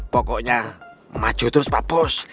pokoknya maju terus pak bos